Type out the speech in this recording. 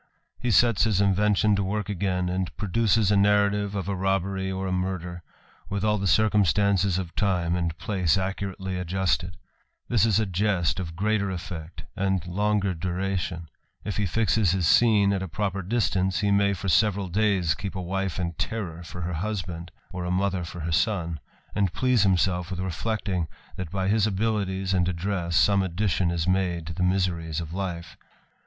He sets his invention t^ work again, and produces a narrative of a robberj^ or a murder, with all the circumstances of time anc7 place accurately adjusted This is a jest of greater effect and longer duration : if he fixes his scene at a fnroper distance, he may for several days keep a wife in terror for her husband, or a mother for her son ; and please himself with reflecting, that by his abilities and address some addition is made to the miseries of life.